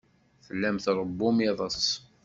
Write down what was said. Tellam tṛewwum iḍes.